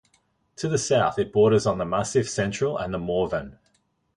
To the south, it borders on the Massif Central and the Morvan.